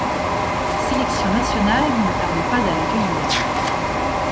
La sélection nationale ne tarde pas à l'accueillir.